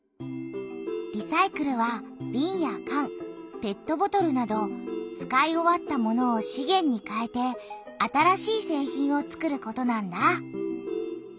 リサイクルはびんやかんペットボトルなど使い終わったものを「資源」にかえて新しい製品を作ることなんだ。